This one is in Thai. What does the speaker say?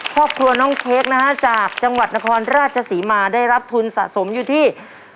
ครอบครัวน้องเค้กนะฮะจากจังหวัดนครราชศรีมาได้รับทุนสะสมอยู่ที่